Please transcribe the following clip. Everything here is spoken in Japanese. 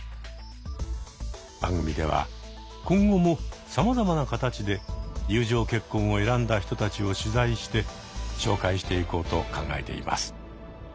番組では今後もさまざまな形で友情結婚を選んだ人たちを取材して紹介していこうと考えています。